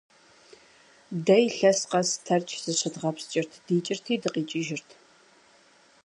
Дэ илъэс къэс Тэрч зыщыдгъэпскӀырт, дикӀырти дыкъикӀыжырт.